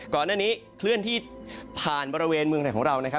ก่อนอันนี้เคลื่อนที่ผ่านบริเวณเมืองไหนของเรา